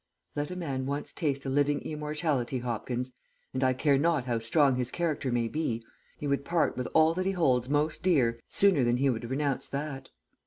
Let a man once taste a living immortality, Hopkins, and I care not how strong his character may be, he would part with all that he holds most dear sooner than he would renounce that.